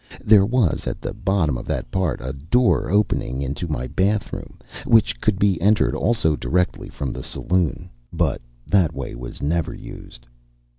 There was at the bottom of that part a door opening into my bathroom, which could be entered also directly from the saloon. But that way was never used.